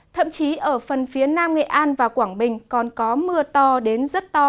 thậm chí ở phần phía nam nghệ an và quảng bình còn có mưa to đến rất to